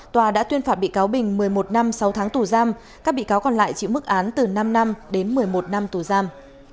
tòa đã tuyên phạt bị cáo bình một mươi một năm sáu tháng tù giam các bị cáo còn lại chịu mức án từ năm năm đến một mươi một năm tù giam